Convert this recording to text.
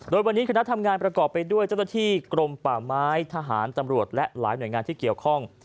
โดยวันนี้คณะทำงานประกอบไปด้วยเจ้าหน้าที่กรมป่าไม้ทหารตำรวจและหลายหน่วยงานที่เกี่ยวข้อง